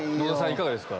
いかがですか？